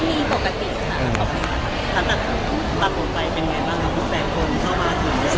ที่อยากกดจับไฟ